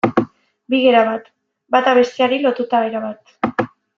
Bi gera bat, bata besteari lotuta erabat.